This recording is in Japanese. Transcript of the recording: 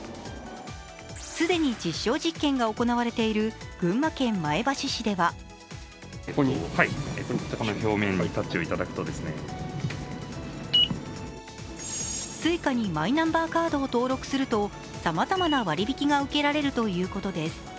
既に実証実験が行われている群馬県前橋市ではこの表面にタッチをいただくとＳｕｉｃａにマイナンバーカードを登録するとさまざまな割り引きが受けられるということです。